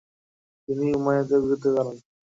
তিনি উমাইয়াদের বিরুদ্ধে দাঁড়ান।